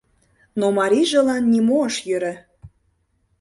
Но марийжылан нимо ыш йӧрӧ.